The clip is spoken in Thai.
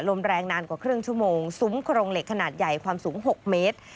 ลมแรงนานกว่าครึ่งชั่วโมงซุ้มโครงเหล็กขนาดใหญ่ความสูง๖เมตร